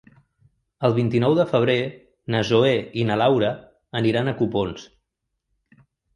El vint-i-nou de febrer na Zoè i na Laura aniran a Copons.